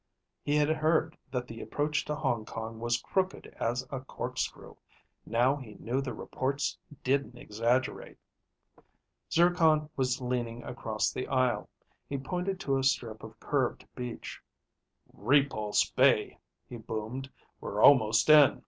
He had heard that the approach to Hong Kong was crooked as a corkscrew; now he knew the reports didn't exaggerate. Zircon was leaning across the aisle. He pointed to a strip of curved beach. "Repulse Bay," he boomed. "We're almost in."